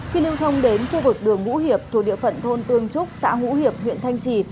khi lưu thông đến khu vực đường ngũ hiệp thuộc địa phận thôn tương trúc xã ngũ hiệp huyện thanh trì